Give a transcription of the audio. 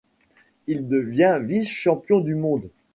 Il devient vice-champion du Monde.